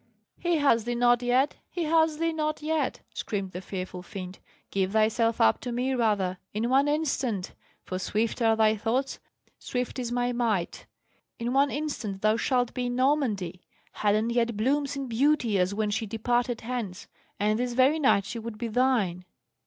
"He has thee not yet! He has thee not yet!" screamed the fearful fiend. "Give thyself up to me rather. In one instant, for swift are thy thoughts, swift is my might, in one instant thou shalt be in Normandy. Helen yet blooms in beauty as when she departed hence, and this very night she would be thine."